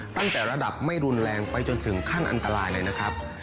ตั้งแต่ระดับไม่รุนแรงไปจนถึงขั้นอันตรายเลยนะครับ